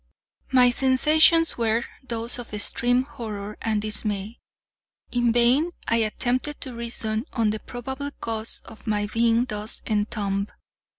My sensations were those of extreme horror and dismay. In vain I attempted to reason on the probable cause of my being thus entombed.